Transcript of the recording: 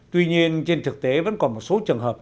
tuy nhiên trên thực tế vẫn còn một số trường hợp